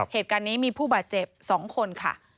เหตุการณ์นี้มีผู้บาดเจ็บ๒คนค่ะ